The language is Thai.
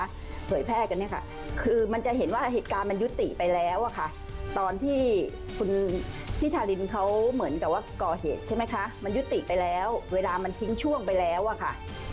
เผยแพร่กันเนี่ยค่ะคือมันจะเห็นว่าเหตุการณ์มันยุติไปแล้วอะค่ะตอนที่คุณพี่ทารินเขาเหมือนกับว่าก่อเหตุใช่ไหมคะมันยุติไปแล้วเวลามันทิ้งช่วงไปแล้วอะค่ะ